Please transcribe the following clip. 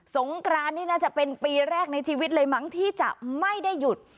งกรานนี่น่าจะเป็นปีแรกในชีวิตเลยมั้งที่จะไม่ได้หยุด